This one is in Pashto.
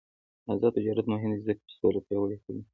آزاد تجارت مهم دی ځکه چې سوله پیاوړې کوي.